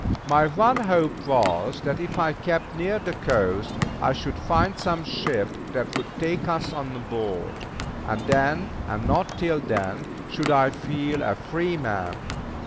My one hope was that if I kept near the coast, I should find some ship that would take us on board; and then, and not till then, should I feel a free man.